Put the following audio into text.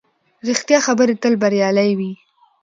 ریښتیا خبرې تل بریالۍ وي